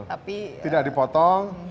tapi tidak dipotong